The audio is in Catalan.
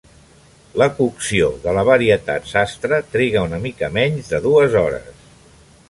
La cocció de la varietat Sastre triga una mica menys de dues hores.